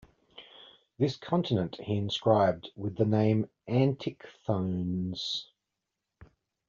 This continent he inscribed with the name Antichthones.